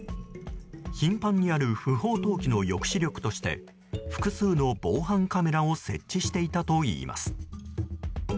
頻繁にある不法投棄の抑止力として複数の防犯カメラを設置していたといいます。